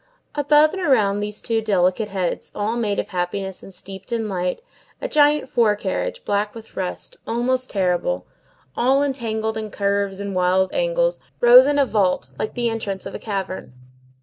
Above and around these two delicate heads, all made of happiness and steeped in light, the gigantic fore carriage, black with rust, almost terrible, all entangled in curves and wild angles, rose in a vault, like the entrance of a cavern.